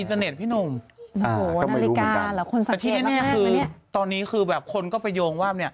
แต่ทีนี้คือตอนนี้คือแบบคนก็ไปโยงว่า